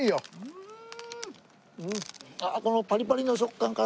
うん。